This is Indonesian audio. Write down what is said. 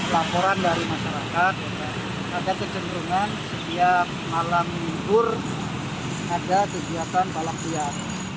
laporan dari masyarakat ada kecenderungan setiap malam libur ada kegiatan balap liar